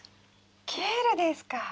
ケールですか。